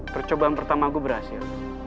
percobaan pertama gue berhasil